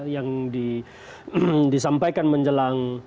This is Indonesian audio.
yang disampaikan menjelang